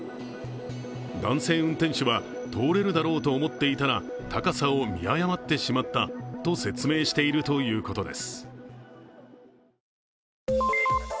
男性運転手は、通れるだろうと思っていたら高さを見誤ってしまったと説明しているということです。